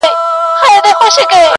خو له دې بې شرفۍ سره په جنګ یم.